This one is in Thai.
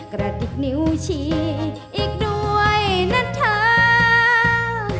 กระติกนิ้วชีอีกด้วยนะเธอ